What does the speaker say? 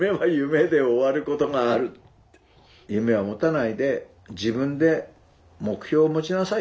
夢は持たないで自分で目標を持ちなさい。